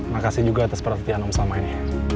makasih juga atas perhatian umum selama ini